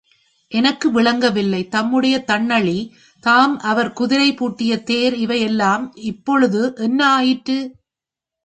எனக்கு விளங்கவில்லை தம்முடைய தண்ணளி தாம் அவர் குதிரை பூட்டிய தேர் இவை எல்லாம் இப்பொழுது என்ன ஆயிற்று?